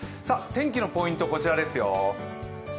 天気のポイント、こちらですよ。